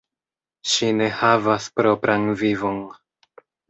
Ŝi ne havas propran vivon.